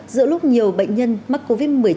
giữa lúc nhiều bệnh nhân mắc covid một mươi chín